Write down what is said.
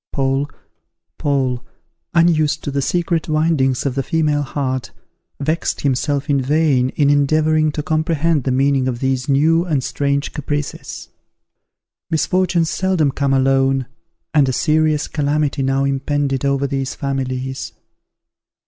Paul, unused to the secret windings of the female heart, vexed himself in vain in endeavouring to comprehend the meaning of these new and strange caprices. Misfortunes seldom come alone, and a serious calamity now impended over these families.